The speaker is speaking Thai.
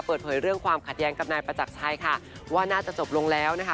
เปิดเผยเรื่องความขัดแย้งกับนายประจักรชัยค่ะว่าน่าจะจบลงแล้วนะคะ